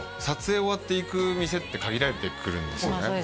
撮影終わって行く店って限られてくるんですよね